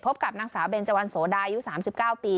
กับนางสาวเบนเจวันโสดายุ๓๙ปี